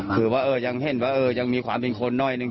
คือว่ายังเห็นว่ายังมีความเป็นคนหน่อยนึง